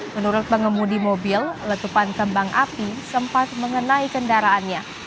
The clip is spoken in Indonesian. menurut pengemudi mobil letupan kembang api sempat mengenai kendaraannya